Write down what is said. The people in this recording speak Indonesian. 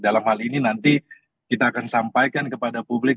dalam hal ini nanti kita akan sampaikan kepada publik